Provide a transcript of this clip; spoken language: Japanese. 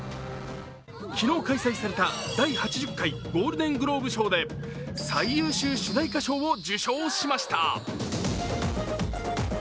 昨日開催された第８０回ゴールデン・グローブ賞で最優秀主題歌賞を受賞しました。